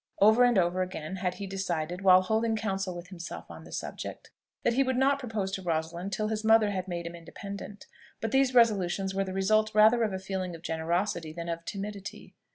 Over and over again had he decided, while holding counsel with himself on the subject, that he would not propose to Rosalind till his mother had made him independent; but these resolutions were the result rather of a feeling of generosity than of timidity.